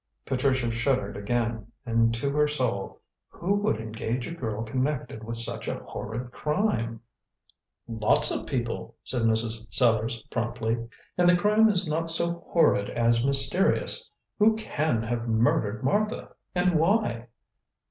Patricia shuddered again and to her soul. "Who would engage a girl connected with such a horrid crime?" "Lots of people," said Mrs. Sellars promptly; "and the crime is not so horrid as mysterious. Who can have murdered Martha? and why?"